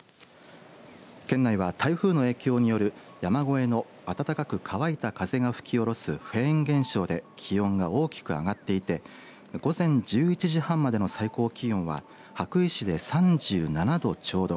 県内は、台風の影響による山越えの暖かく乾いた風が吹き降ろすフェーン現象で気温が大きく上がっていて午前１１時半までの最高気温は羽咋市で３７度ちょうど。